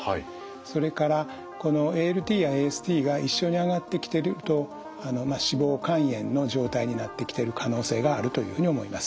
それからこのＡＬＴやＡＳＴが一緒に上がってきてると脂肪肝炎の状態になってきてる可能性があるというふうに思います。